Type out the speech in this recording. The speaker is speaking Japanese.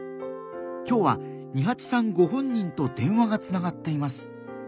今日はニハチさんご本人と電話がつながっています。